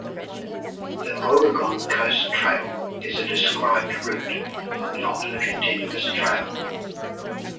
The Oregon Coast Trail is a described route and not a continuous trail.